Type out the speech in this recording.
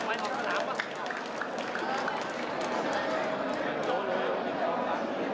อ้าว